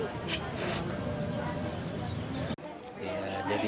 tidak bisa dimakan